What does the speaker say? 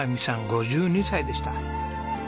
５２歳でした。